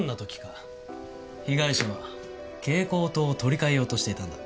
被害者は蛍光灯を取り換えようとしていたんだ。